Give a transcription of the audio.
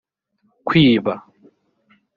kwiba